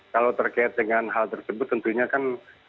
kalau terkait dengan hal tersebut tentunya kan